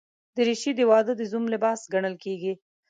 دریشي د واده د زوم لباس ګڼل کېږي.